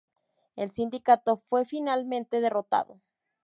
El Sindicato fue finalmente derrotado.